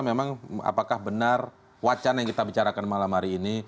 memang apakah benar wacana yang kita bicarakan malam hari ini